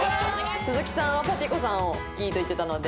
鈴木さんはパピコさんをいいと言ってたので。